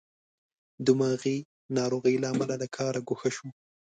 دماغې ناروغۍ له امله له کاره ګوښه شو.